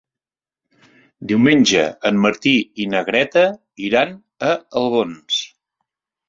Diumenge en Martí i na Greta iran a Albons.